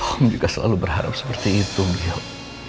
om juga selalu berharap seperti itu beliau